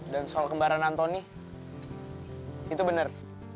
dan soal kembaran antoni itu bener